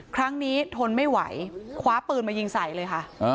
ครั้งนี้ทนไม่ไหวคว้าปืนมายิงใส่เลยค่ะ